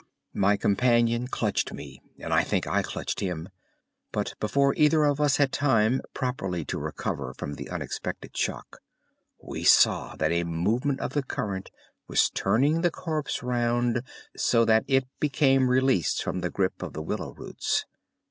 My companion clutched me, and I think I clutched him, but before either of us had time properly to recover from the unexpected shock, we saw that a movement of the current was turning the corpse round so that it became released from the grip of the willow roots.